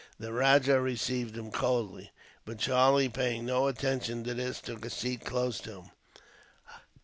The rajah received him coldly; but Charlie, paying no attention to this, took a seat close to him.